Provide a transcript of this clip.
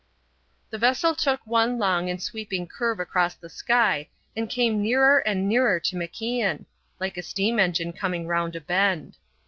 The vessel took one long and sweeping curve across the sky and came nearer and nearer to MacIan, like a steam engine coming round a bend.